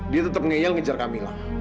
dia tetap ngeyel ngejar kamila